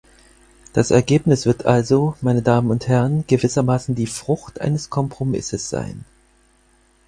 Das Ergebnis wird also, meine Damen und Herren, gewissermaßen die Frucht eines Kompromisses sein.